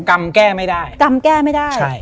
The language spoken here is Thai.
กรรมแก้ไม่ได้กรรมแก้ไม่ได้ใช่